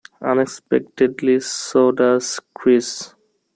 Unexpectedly, so does Chris.